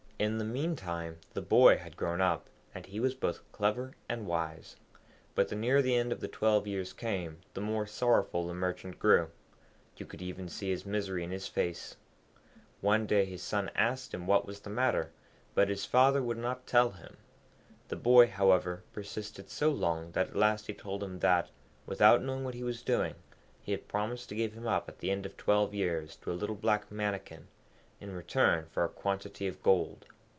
In the meantime the boy had grown up, and he was both clever and wise. But the nearer the end of the twelve years came, the more sorrowful the Merchant grew; you could even see his misery in his face. One day his son asked him what was the matter, but his father would not tell him. The boy, however, persisted so long that at last he told him that, without knowing what he was doing, he had promised to give him up at the end of twelve years to a little black Mannikin, in return for a quantity of gold.